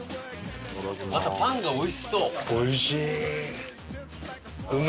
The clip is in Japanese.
あとパンがおいしそう。